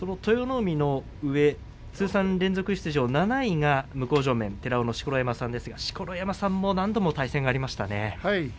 海の上通算連続出場７位が向正面、寺尾の錣山さんですが錣山さんも何度も対戦がありましたね。